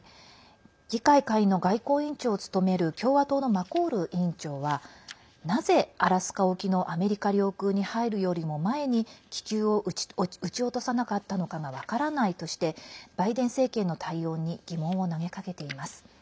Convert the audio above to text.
議会下院の外交委員長を務める共和党のマコール委員長はなぜアラスカ沖のアメリカ領空に入るよりも前に気球を撃ち落とさなかったのかが分からないとしてバイデン政権の対応に疑問を投げかけています。